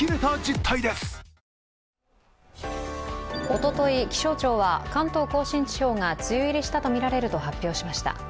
おととい、気象庁は関東甲信地方が梅雨入りしたとみられると発表しました。